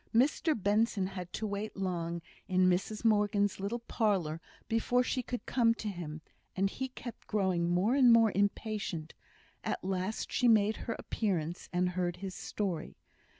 Mr Benson had to wait long in Mrs Morgan's little parlour before she could come to him, and he kept growing more and more impatient. At last she made her appearance and heard his story.